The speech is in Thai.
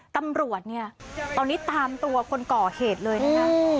ตำรวจเนี่ยตอนนี้ตามตัวคนก่อเหตุเลยนะคะ